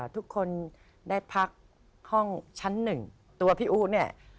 ทุกคนได้พักห้องชั้นหนึ่งตัวพี่อู๋เนี่ย